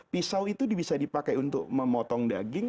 pisau itu bisa dipakai untuk memotong daging